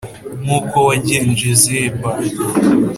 Nk uko wagenje zeba